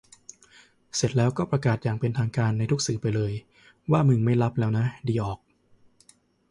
เสร็จแล้วก็ประกาศอย่างเป็นทางการในทุกสื่อไปเลย ว่ามึงไม่ลับแล้วนะ ดีออก